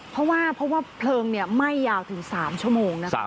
เพราะว่าเพลิงเนี่ยไหม้ยาวถึง๓ชั่วโมงนะครับ